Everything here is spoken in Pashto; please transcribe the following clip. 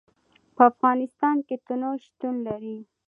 په افغانستان کې تنوع شتون لري.